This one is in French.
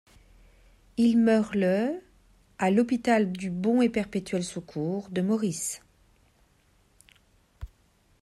Il meurt le à l'hôpital du Bon et Perpétuel Secours de Maurice.